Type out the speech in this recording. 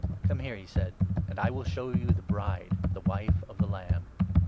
' Come here,' he said, ' and I will show you the Bride, the Wife of the Lamb.'